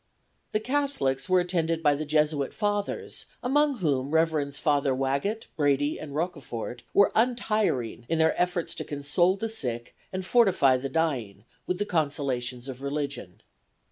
The Catholics were attended by the Jesuit Fathers, among whom Revs. Father Wagit, Brady and Roccofort were untiring in their efforts to console the sick and fortify the dying with the consolations of religion.